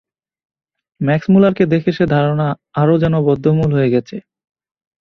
ম্যাক্সমূলারকে দেখে সে ধারণা আরও যেন বদ্ধমূল হয়ে গেছে।